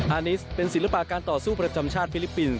นิสเป็นศิลปะการต่อสู้ประจำชาติฟิลิปปินส